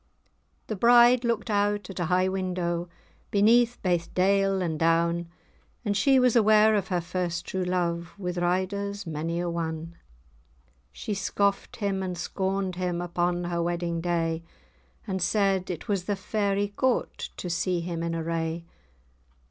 The bride looked out at a high window, Beneath baith dale and down, And she was aware of her first true love, With riders mony a one. She scoffed him, and scorned him, Upon her wedding day; And said, "It was the Fairy Court, To see him in array!